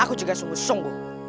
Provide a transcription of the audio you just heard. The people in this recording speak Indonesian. aku juga sungguh sungguh